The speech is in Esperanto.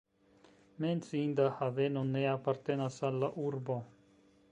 Menciinda haveno ne apartenas al la urbo.